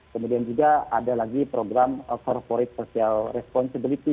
kemudian juga ada lagi program corporate social responsibility